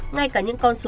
ngay cả những con số